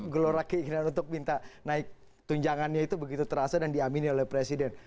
gelora keinginan untuk minta naik tunjangannya itu begitu terasa dan diamini oleh presiden